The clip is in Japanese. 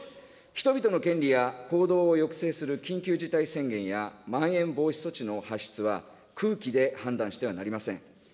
人々の権利や行動を抑制する緊急事態宣言やまん延防止措置の発出は、空気で判断してはなりません。